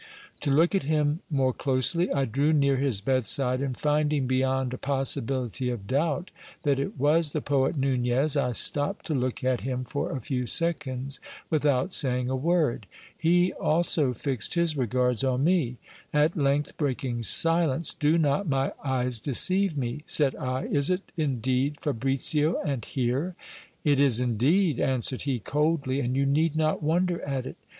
To look at him more closely, I drew near his bedside, and finding be yond a possibility of doubt that it was the poet Nunez, I stopped to look at him for a few seconds without saying a word. He also fixed his regards on me. At length breaking silence : Do not my eyes deceive me ? said I. Is it indeed Fabricio, and here ? It is indeed, answered he, coldly, and you need not wonder at it.